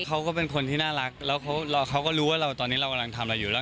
เขาก็เป็นคนที่น่ารักแล้วเขาก็รู้ว่าเราตอนนี้เรากำลังทำอะไรอยู่แล้ว